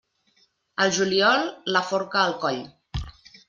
Al juliol, la forca al coll.